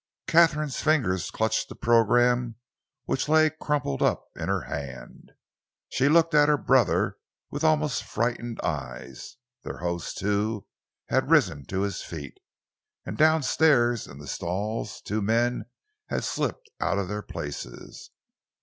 Katharine's fingers clutched the program which lay crumpled up in her hand. She looked at her brother with almost frightened eyes. Their host, too, had risen to his feet, and down stairs in the stalls two men had slipped out of their places.